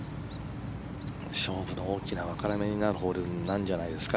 勝負の大きな分かれ目になるホールになるんじゃないですか。